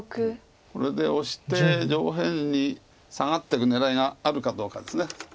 これでオシて上辺にサガっていく狙いがあるかどうかです。